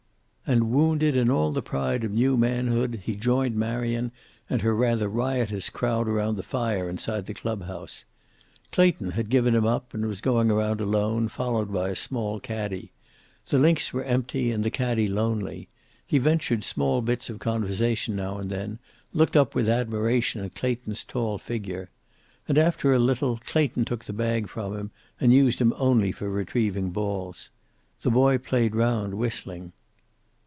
And wounded in all the pride of new manhood, he joined Marion and her rather riotous crowd around the fire inside the clubhouse. Clayton had given him up and was going around alone, followed by a small caddie. The links were empty, and the caddie lonely. He ventured small bits of conversation now and then, looking up with admiration at Clayton's tall figure. And, after a little, Clayton took the bag from him and used him only for retrieving balls. The boy played round, whistling.